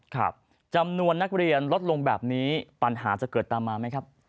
ครับจำนวนนักเรียนลดลงแบบนี้ปัญหาจะเกิดตามมาไหมครับ